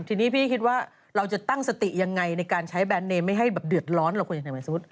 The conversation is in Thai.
ทีนี้พี่คิดว่าเราจะตั้งสติยังไงในการใช้แบรนดเนมไม่ให้แบบเดือดร้อนเราควรจะ